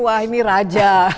wah ini raja